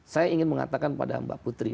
saya ingin mengatakan pada mbak putri